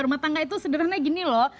rumah tangga itu sederhananya gini loh